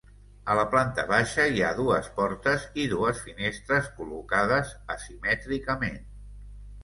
A la planta baixa hi ha dues portes i dues finestres col·locades asimètricament.